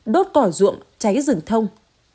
đốt cỏ ruộng cháy rừng thông